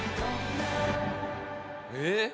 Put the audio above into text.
えっ？